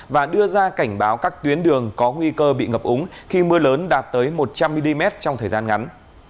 và đưa ra cảnh báo các tuyến đường có nguy cơ bị ngập úng khi mưa lớn đạt tới một trăm linh mm trong thời gian ngắn